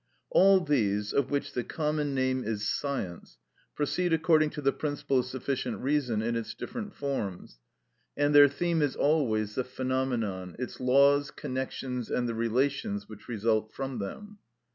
All these, of which the common name is science, proceed according to the principle of sufficient reason in its different forms, and their theme is always the phenomenon, its laws, connections, and the relations which result from them.